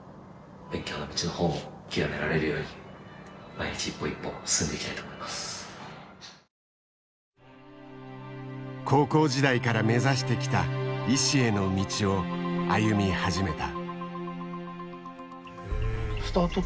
これまでずっと高校時代から目指してきた医師への道を歩み始めた。